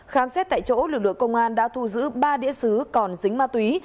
khám xét tại chỗ lực lượng công an đã thu giữ ba đĩa xứ còn dính ma túy